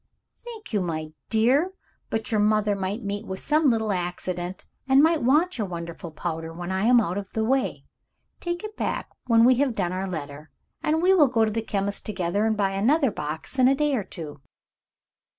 "Thank you, my dear. But your mother might meet with some little accident, and might want your wonderful powder when I am out of the way. Take it back when we have done our letter. And we will go to the chemist together and buy another box in a day or two."